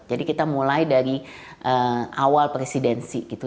jadi kita mulai dari awal presidensi gitu